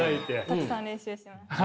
たくさん練習します。